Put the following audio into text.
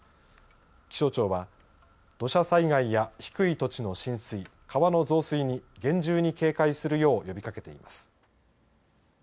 気象庁は土砂災害や低い土地の浸水川の増水に厳重に警戒するよう呼びかけています。